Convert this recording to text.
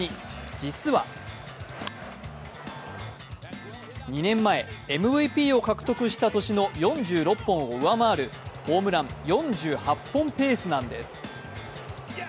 実は２年前、ＭＶＰを獲得した年の４６本を上回るホームラン４８本ペースなんです。